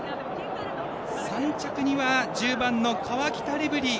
３着には１０番のカワキタレブリー